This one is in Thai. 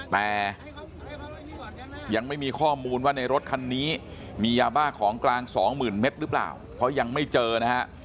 แต่ยังไม่มีข้อมูลว่าในรถคันนี้มียาบ้าของกลางสองหมื่นเมตรหรือเปล่าเพราะยังไม่เจอนะฮะ